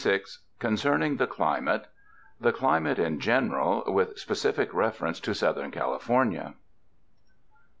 261 CONCERNING THE CLIMATE I. The Climate in General (With specific reference to Southern California.)